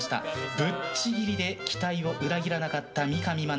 ぶっちぎりで期待を裏切らなかった三上真奈。